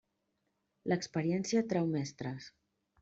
L'experiència treu mestres.